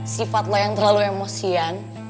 sifat lo yang terlalu emosian